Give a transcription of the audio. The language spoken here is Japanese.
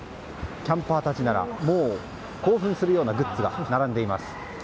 キャンパーたちなら興奮するようなグッズが並んでいます。